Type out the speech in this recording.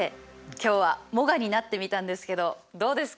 今日はモガになってみたんですけどどうですか？